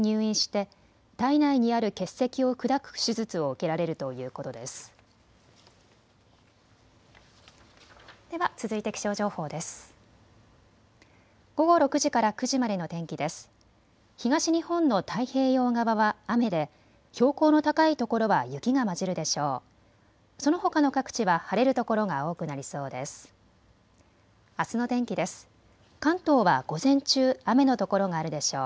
東日本の太平洋側は雨で標高の高い所は雪が交じるでしょう。